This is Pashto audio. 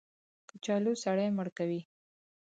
کچالو سړی مړ کوي